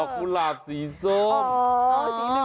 กล่อสีเหลือง